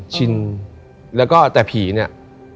ชินแล้วก็แต่ผีเนี่ย